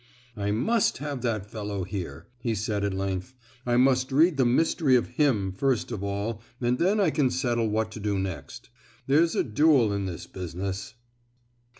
"I must have that fellow here!" he said at length; "I must read the mystery of him first of all, and then I can settle what to do next. There's a duel in this business!"